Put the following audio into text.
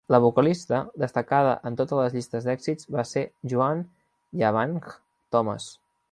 La vocalista destacada en totes les llistes d'èxits va ser Joanne "Yavahn" Thomas.